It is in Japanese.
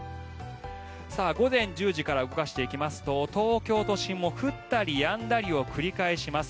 午前１０時から動かしていきますと東京都心も降ったりやんだりを繰り返します。